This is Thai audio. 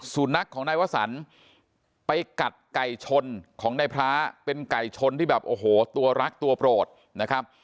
สุนัขของนายวสันไปกัดไก่ชนของนายพระเป็นไก่ชนที่แบบโอ้โหตัวรักตัวโปรดนะครับ